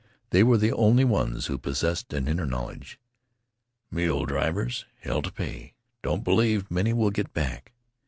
They were the only ones who possessed an inner knowledge. "Mule drivers hell t' pay don't believe many will get back."